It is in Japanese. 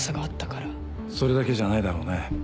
それだけじゃないだろうね。